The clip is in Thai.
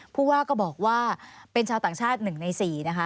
ผู้ว่าก็บอกว่าเป็นชาวต่างชาติ๑ใน๔นะคะ